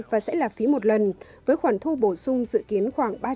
và sẽ là phí một lần với khoản thu bổ sung dự kiến khoảng